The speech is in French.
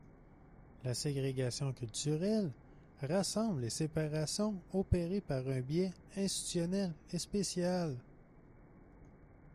La ségrégation culturelle rassemble les séparations opérées par un biais institutionnel et spatial.